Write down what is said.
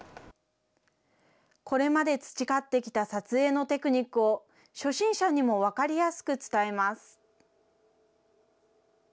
これまで培ってきた撮影のテクニックを、初心者にも分かりやすく伝えます。